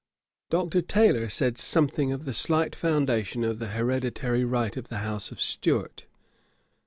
Dr. Taylor said something of the slight foundation of the hereditary right, of the house of Stuart.